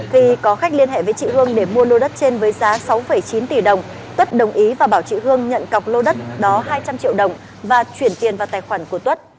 khi có khách liên hệ với chị hương để mua lô đất trên với giá sáu chín tỷ đồng tuất đồng ý và bảo chị hương nhận cọc lô đất đó hai trăm linh triệu đồng và chuyển tiền vào tài khoản của tuất